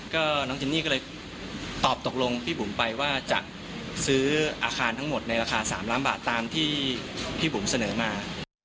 ก็น้องจินนี่ก็เลยตอบตกลงพี่บุ๋มไปว่าจะซื้ออาคารทั้งหมดในราคา๓ล้านบาทตามที่พี่บุ๋มเสนอมา